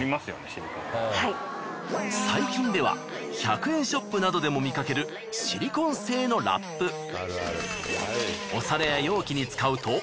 最近では１００円ショップなどでも見かけるシリコン製のラップ。